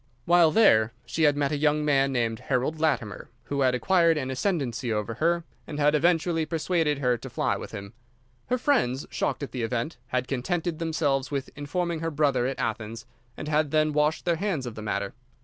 While there she had met a young man named Harold Latimer, who had acquired an ascendancy over her and had eventually persuaded her to fly with him. Her friends, shocked at the event, had contented themselves with informing her brother at Athens, and had then washed their hands of the matter.